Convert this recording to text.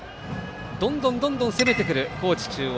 どんどん攻めてくる高知中央。